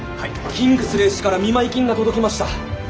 キングスレー氏から見舞い金が届きました。